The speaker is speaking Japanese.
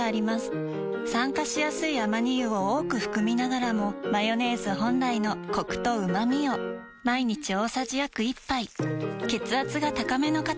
酸化しやすいアマニ油を多く含みながらもマヨネーズ本来のコクとうまみを毎日大さじ約１杯血圧が高めの方に機能性表示食品